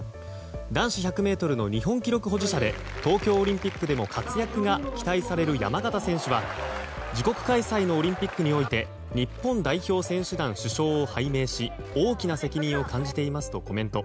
男子１００ｍの日本記録保持者で東京オリンピックでも活躍が期待される山縣選手は自国開催のオリンピックにおいて日本代表選手団主将を拝命し大きな責任を感じていますとコメント。